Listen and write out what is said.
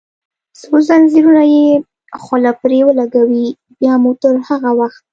څو زنځیرونه یې خوله پرې ولګوي، بیا مو تر هغه وخت.